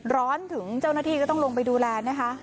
ร้อนถึงเจ้าหน้าที่ก็ต้องลงไปดูแลนะคะ